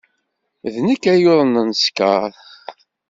D nekk ay yuḍnen sskeṛ.